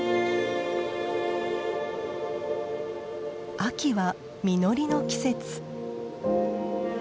秋は実りの季節。